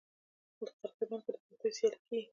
د قرغې بند کې د کښتیو سیالي کیږي.